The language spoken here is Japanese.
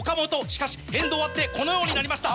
しかし変動あってこのようになりました。